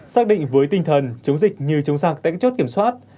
xác định với tinh thần chống dịch như chống sạc tại các chốt kiểm soát